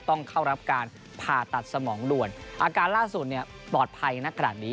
ต้องเข้ารับการผ่าตัดสมองด่วนอาการล่าสุดเนี่ยปลอดภัยนักขนาดนี้